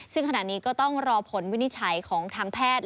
ซึ่งขณะนี้ก็ต้องรอผลวินิจฉัยของทางแพทย์